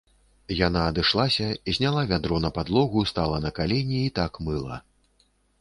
Яна адышлася, зняла вядро на падлогу, стала на калені і так мыла.